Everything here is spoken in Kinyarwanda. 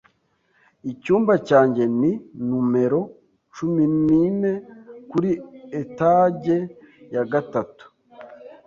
Icyumba cyanjye ni numero cumi nine kuri etage ya gatatu.